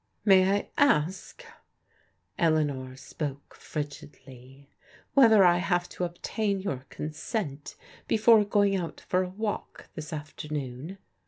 " May I ask," — Eleanor spoke frigidly —" whether I have to obtain your consent before going out for a walk this afternoon?